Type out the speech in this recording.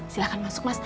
silahkan masuk mas